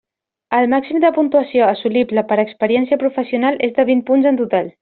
El màxim de puntuació assolible per experiència professional és de vint punts en total.